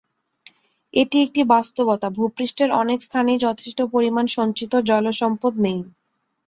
এটি একটি বাস্তবতা, ভূপৃষ্ঠের অনেক স্থানেই যথেষ্ট পরিমাণ সঞ্চিত জলসম্পদ নেই।